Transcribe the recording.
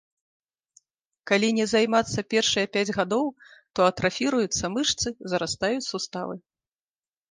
Калі не займацца першыя пяць гадоў, то атрафіруюцца мышцы, зарастаюць суставы.